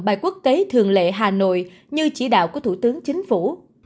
bài quốc tế thường lệ hà nội như chỉ đạo của thủ tướng chính phủ